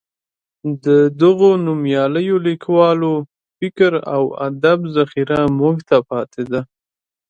د دغو نومیالیو لیکوالو فکر او ادب ذخیره موږ ته پاتې ده.